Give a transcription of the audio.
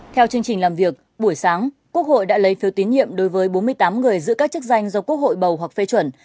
theo chương trình làm việc buổi sáng quốc hội đã lấy phiếu tín nhiệm đối với bốn mươi tám người giữ các chức danh do quốc hội bầu hoặc phê chuẩn